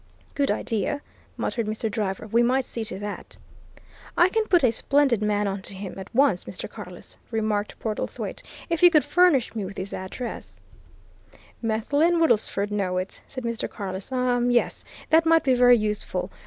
"Good idea!" muttered Mr. Driver. "We might see to that." "I can put a splendid man on to him, at once, Mr. Carless," remarked Portlethwaite. "If you could furnish me with his address " "Methley and Woodlesford know it," said Mr. Carless. "Um yes, that might be very useful.